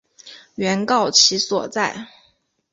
原告其所在！